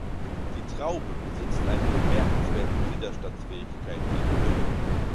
Die Traube besitzt eine bemerkenswerte Widerstandsfähigkeit gegen Dürre.